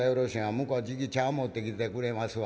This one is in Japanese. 向こうはじき茶わん持ってきてくれますわ。